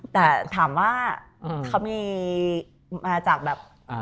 แต่ถามว่าเขามีมาจากแบบ